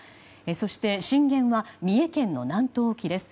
そして、震源は三重県の南東沖です。